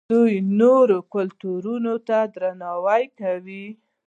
دوی د نورو کلتورونو درناوی کوي.